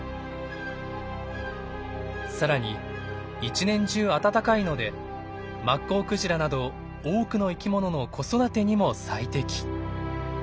さらに一年中暖かいのでマッコウクジラなど多くの生きものの子育てにも最適。